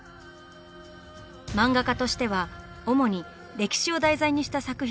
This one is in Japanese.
漫画家としては主に歴史を題材にした作品に挑戦。